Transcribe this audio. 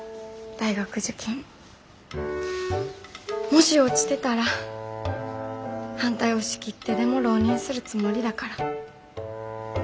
もし落ちてたら反対を押し切ってでも浪人するつもりだから。